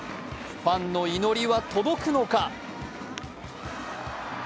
ファンの祈りは届くのか？